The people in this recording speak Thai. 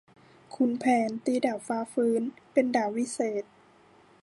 ขุนแผนตีดาบฟ้าฟื้น เป็นดาบวิเศษ